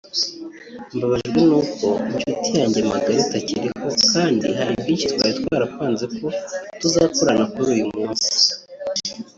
mbabajwe n’uko inshuti yanjye magara itakiriho kandi hari byinshi twari twarapanze ko tuzakorana kuri uyu munsi”